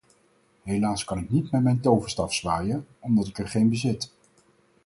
Helaas kan ik niet met mijn toverstaf zwaaien, omdat ik er geen bezit.